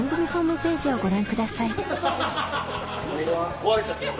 壊れちゃったよ。